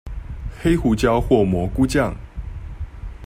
黑胡椒或蘑菇醬